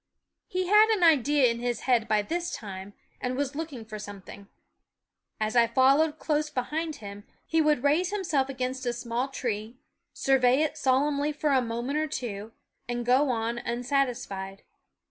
He had an idea in his head by this time, and was looking for something. As I fol lowed close behind him, he would raise him self against a small tree, survey it solemnly for a moment or two, and go on unsatisfied.